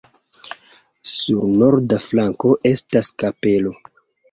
Sur norda flanko estas kapelo.